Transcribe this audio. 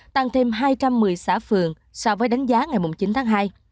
tăng thêm hai trăm một mươi xã phường so với đánh giá ngày chín tháng hai